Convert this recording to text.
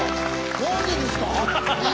何でですか？